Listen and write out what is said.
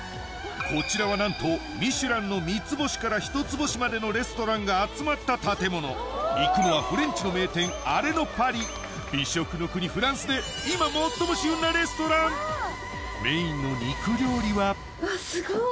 こちらはなんと『ミシュラン』の三つ星から一つ星までのレストランが集まった建物行くのはフレンチの名店アレノ・パリ美食の国フランスで今メインの肉料理はうわすごっ！